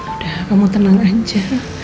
udah kamu tenang aja